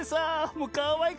もうかわいくて。